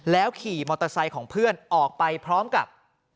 ขี่มอเตอร์ไซค์ของเพื่อนออกไปพร้อมกับ